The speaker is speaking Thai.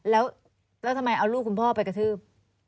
แล้วทำไมเอาลูกคุณพ่อไปกระทืบ